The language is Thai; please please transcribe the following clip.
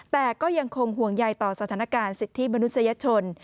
แต่ก็ยังคงห่วงใยต่อสถานการณ์สิทธิมนุษยชน